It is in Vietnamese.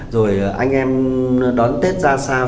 rồi anh em đón tết ra sao